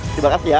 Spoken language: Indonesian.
terima kasih ya